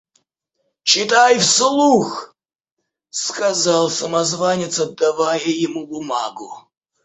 «Читай вслух», – сказал самозванец, отдавая ему бумагу.